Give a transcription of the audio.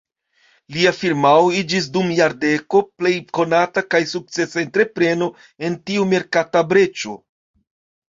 Lia firmao iĝis dum jardeko plej konata kaj sukcesa entrepreno en tiu merkata breĉo.